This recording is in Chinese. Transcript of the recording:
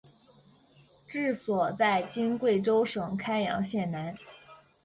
治所在今贵州省开阳县南。